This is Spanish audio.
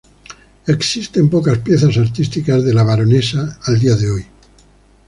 Existen pocas piezas artísticas de la baronesa al día de hoy.